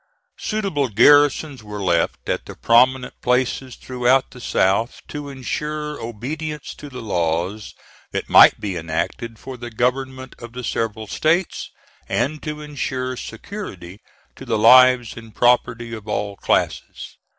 Suitable garrisons were left at the prominent places throughout the South to insure obedience to the laws that might be enacted for the government of the several States, and to insure security to the lives and property of all classes.